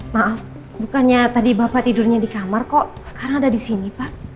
maaf bukannya tadi bapak tidurnya di kamar kok sekarang ada di sini pak